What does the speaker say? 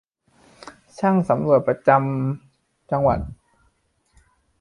ช่างสำรวจประจำจังหวัด